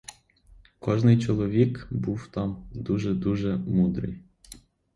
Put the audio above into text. Кожний чоловік був там дуже-дуже мудрий.